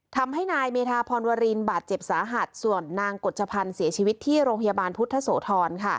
ทำให้นายเมธาพรวรินบาดเจ็บสาหัสส่วนนางกฎชพันธ์เสียชีวิตที่โรงพยาบาลพุทธโสธร